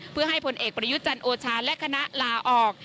เพื่อให้ผลเอกประยุทธ์จันทร์โอชาและคณะลาออก